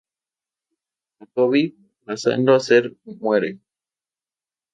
Jacobi, pasando a ser muere.